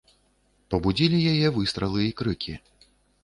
Пабудзілі яе выстралы і крыкі.